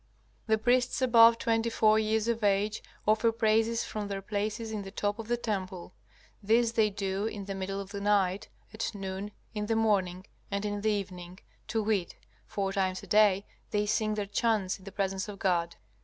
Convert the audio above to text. The priests above twenty four years of age offer praises from their places in the top of the temple. This they do in the middle of the night, at noon, in the morning and in the evening, to wit, four times a day they sing their chants in the presence of God.